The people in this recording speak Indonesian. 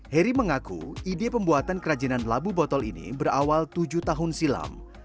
heri mengaku ide pembuatan kerajinan labu botol ini berawal tujuh tahun silam